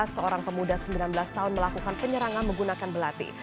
seorang pemuda sembilan belas tahun melakukan penyerangan menggunakan belati